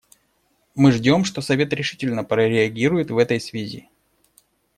Мы ждем, что Совет решительно прореагирует в этой связи.